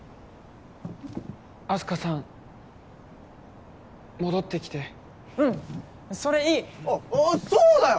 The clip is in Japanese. あす花さん戻ってきてうんそれいいああそうだよ